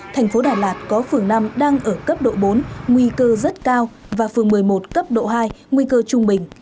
thành phố đà lạt có phường năm đang ở cấp độ bốn nguy cơ rất cao và phường một mươi một cấp độ hai nguy cơ trung bình